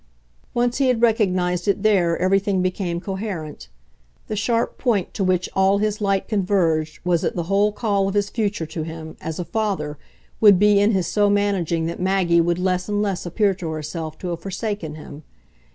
Once he had recognised it there everything became coherent. The sharp point to which all his light converged was that the whole call of his future to him, as a father, would be in his so managing that Maggie would less and less appear to herself to have forsaken him.